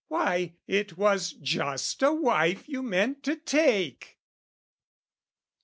"Why, it was just a wife you meant to take!"